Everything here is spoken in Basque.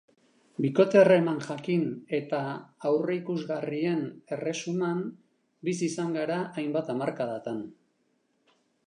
Bikote-harreman jakin eta aurreikusgarrien erresuman bizi izan gara hainbat hamarkadatan.